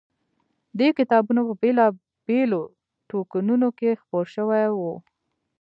دې کتابونه په بېلا بېلو ټوکونوکې خپور شوی و.